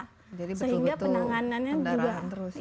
jadi betul betul pendarahan terus ya